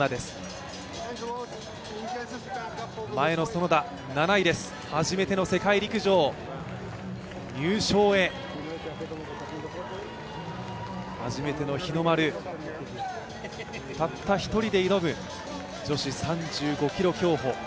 園田初めての世界陸上、入賞へ、初めての日の丸、たった１人で挑む女子３５ｋｍ競歩。